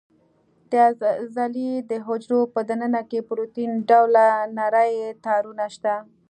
د عضلې د حجرو په دننه کې پروتین ډوله نري تارونه شته.